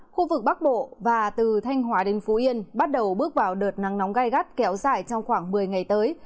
khu vực bắc bộ và từ thanh hóa đến phú yên bắt đầu bước vào đợt nắng nóng gai gắt kéo dài trong khoảng một mươi ngày tới